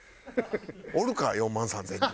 おるか４万３０００人。